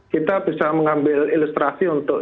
kita bisa mengambil ilustrasi untuk